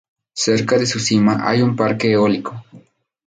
Cerca de su cima hay un parque eólico.